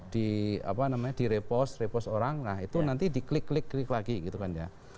di repost repost orang nah itu nanti di klik klik lagi gitu kan ya